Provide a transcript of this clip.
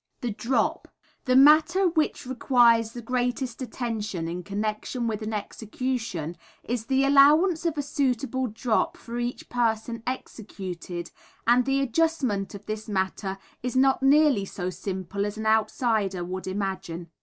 The Drop. The matter which requires the greatest attention in connection with an execution is the allowance of a suitable drop for each person executed, and the adjustment of this matter is not nearly so simple as an outsider would imagine.